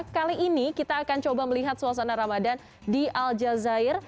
kali ini kita akan coba melihat suasana ramadan di al jazair